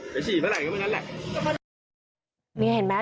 พี่ถ่ายไปเลยมันเมามันตั้งด่านได้ไง